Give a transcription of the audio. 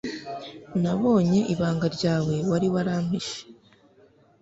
nabonye ibanga ryawe wari warampishe